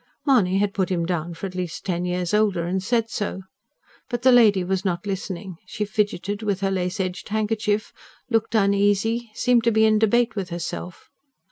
Mahony had put him down for at least ten years older, and said so. But the lady was not listening: she fidgeted with her lace edged handkerchief, looked uneasy, seemed to be in debate with herself.